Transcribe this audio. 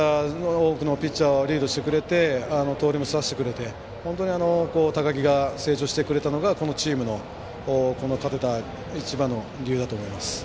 多くのピッチャーをリードしてくれて盗塁も刺してくれて高木が本当に成長してくれたのがこのチームが勝てた一番の理由だと思います。